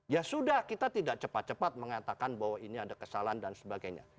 ya sudah kita tidak cepat cepat mengatakan bahwa ini ada kesalahan dan sebagainya